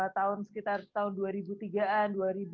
tahun sekitar tahun dua ribu tiga an dua ribu enam dua ribu tujuh